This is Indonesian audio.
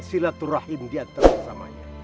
silaturahim diantara kesamanya